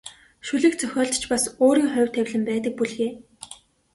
Шүлэг зохиолд ч бас өөрийн хувь тавилан байдаг бүлгээ.